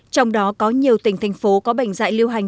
trong đó có nhiều tỉnh thành phố có bệnh dạy lưu hành